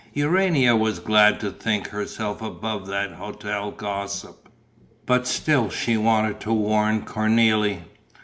Urania was glad to think herself above that hotel gossip, but still she wanted to warn Cornélie.